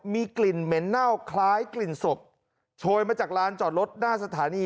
มีกลิ่นเหม็นเน่าคล้ายกลิ่นศพโชยมาจากร้านจอดรถหน้าสถานี